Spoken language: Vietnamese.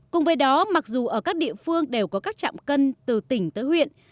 cùng với đó mặc dù ở các địa phương đều có các trạm cân từ tỉnh tới huyện